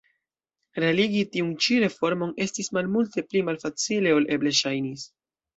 Realigi tiun ĉi reformon estis multe pli malfacile ol eble ŝajnis.